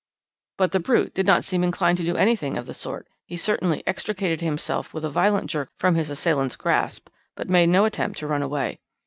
"But the brute did not seem inclined to do anything of the sort; he certainly extricated himself with a violent jerk from his assailant's grasp, but made no attempt to run away.